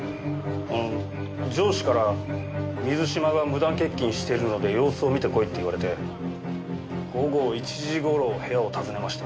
あの上司から水嶋が無断欠勤してるので様子を見てこいって言われて午後１時頃部屋を訪ねました。